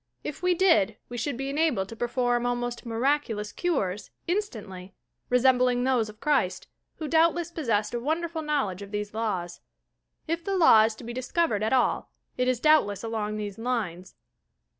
If we did, we should be enabled to perform almost "miraculous cures," instantly, resembling those of Christ, who doubtless possessed a wonderful knowl edge of these laws. If the law is to be discovered at all it is doubtless along these lines.